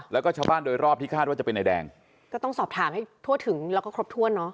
แล้วก็ชาวบ้านโดยรอบที่คาดว่าจะเป็นนายแดงก็ต้องสอบถามให้ทั่วถึงแล้วก็ครบถ้วนเนอะ